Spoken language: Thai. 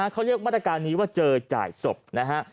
เขาเรียกมาตรการนี้ว่าเจอจ่ายศพนะฮะ